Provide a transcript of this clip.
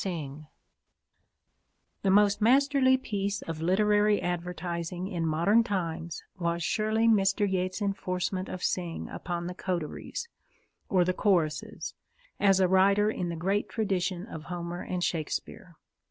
SYNGE The most masterly piece of literary advertising in modern times was surely Mr. Yeats's enforcement of Synge upon the coteries or the choruses as a writer in the great tradition of Homer and Shakespeare.